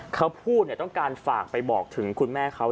เขาพูดต้องการฝากไปบอกถึงคุณแม่เขา